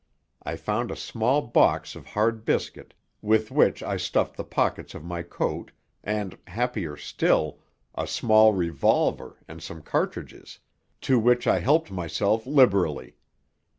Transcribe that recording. I found a small box of hard biscuit, with which I stuffed the pockets of my coat, and, happier still, a small revolver and some cartridges, to which I helped myself liberally.